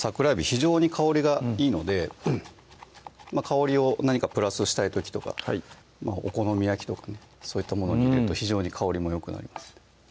非常に香りがいいので香りを何かプラスしたい時とかお好み焼きとかねそういったものに入れると非常に香りもよくなります